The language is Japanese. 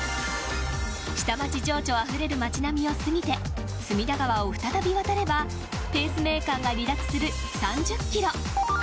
下町情緒あふれる町並みを過ぎて隅田川を再び渡ればペースメーカーが離脱する３０キロ。